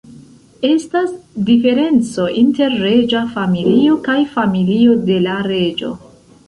Estas diferenco inter reĝa familio kaj familio de la reĝo.